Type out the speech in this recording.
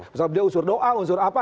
misalnya dia unsur doa unsur apa